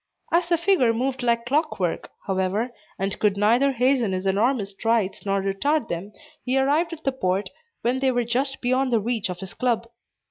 As the figure moved like clockwork, however, and could neither hasten his enormous strides nor retard them, he arrived at the port when they were just beyond the reach of his club.